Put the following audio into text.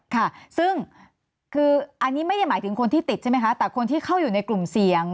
ค่ะซึ่งคืออันนี้ไม่ได้หมายถึงคนที่ติดใช่ไหมคะแต่คนที่เข้าอยู่ในกลุ่มเสี่ยง